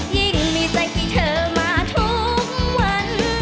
ยิ่งมีใจให้เธอมาทุกวัน